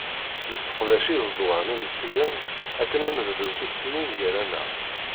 Nesseqdac iẓeḍwan inmettiyen akken ad nebḍu tiktiwin gar-aneɣ.